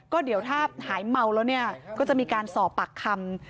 ก็เดี๋ยวถ้าหายเมาแล้วเนี่ยก็จะมีการสอบปากคำ